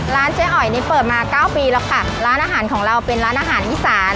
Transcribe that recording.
เจ๊อ๋อยนี่เปิดมาเก้าปีแล้วค่ะร้านอาหารของเราเป็นร้านอาหารอีสาน